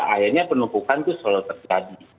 akhirnya penumpukan itu selalu terjadi